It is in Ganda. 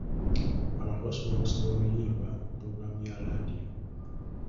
Abantu basobola okusaba oluyimba ku pulogulaamu ya laadiyo.